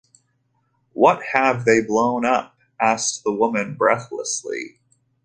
“What have they blown up?” asked the woman breathlessly.